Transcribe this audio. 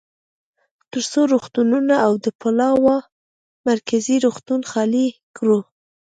ترڅو روغتونونه او د پلاوا مرکزي روغتون خالي کړو.